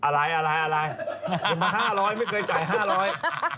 อะไร๕๐๐ไม่เคยจ่าย๕๐๐